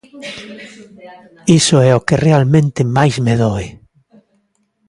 Iso é o que realmente máis me doe.